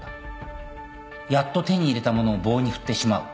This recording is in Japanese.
やっと手に入れたものを棒に振ってしまう。